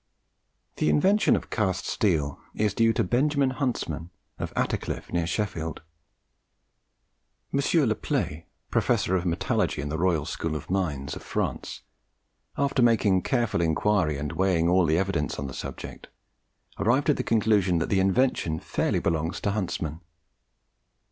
The invention of cast steel is due to Benjamin Huntsman, of Attercliffe, near Sheffield. M. Le Play, Professor of Metallurgy in the Royal School of Mines of France, after making careful inquiry and weighing all the evidence on the subject, arrived at the conclusion that the invention fairly belongs to Huntsman.